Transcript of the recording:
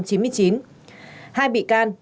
hai bị can